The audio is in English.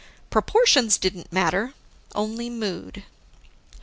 Proportions didn't matter, only mood.